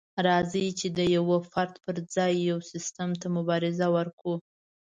راځئ چې د يوه فرد پر ځای يو سيستم ته مبارزه وکړو.